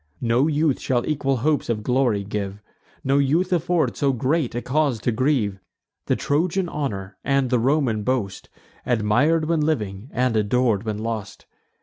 No youth shall equal hopes of glory give, No youth afford so great a cause to grieve; The Trojan honour, and the Roman boast, Admir'd when living, and ador'd when lost!